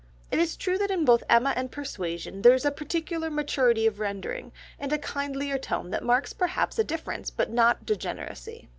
It is true that in both Emma and Persuasion there is a particular maturity of rendering, and a kindlier tone that marks perhaps a difference, but not degeneracy.